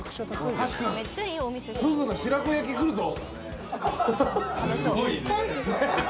ふぐの白子焼き来るぞ。